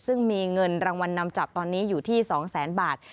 ซึ่งมีเงินรางวัลนำจับตอนนี้อยู่ที่๒แสนบาท